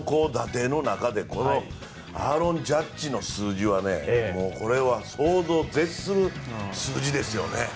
低の中でアーロン・ジャッジの数字はこれは想像を絶する数字ですよね。